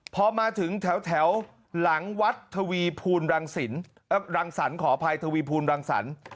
พอมาถึงแถวหลังวัดทวีภูลรังสรรรังสรรคขออภัยทวีภูลรังสรรค์